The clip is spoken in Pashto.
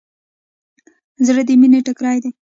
زړه د مینې ټیکری دی.